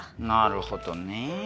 なるほどねぇ。